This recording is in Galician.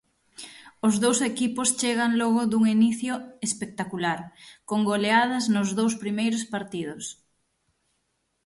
Os dous equipos chegan logo dun inicio espectacular, con goleadas nos dous primeiros partidos.